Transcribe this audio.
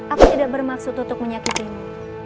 aku tidak bermaksud untuk menyakitimu